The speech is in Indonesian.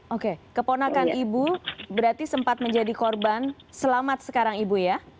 oke keponakan ibu berarti sempat menjadi korban selamat sekarang ibu ya